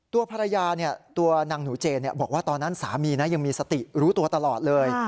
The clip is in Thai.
ตัวภรรยาตัวนางหนูเจนบอกว่าตอนนั้นสามียังมีสติรู้ตัวตลอดเลย